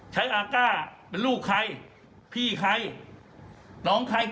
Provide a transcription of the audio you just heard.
อาก้าเป็นลูกใครพี่ใครน้องใคร